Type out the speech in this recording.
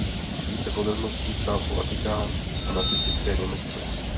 Více podrobností v článku Vatikán a nacistické Německo.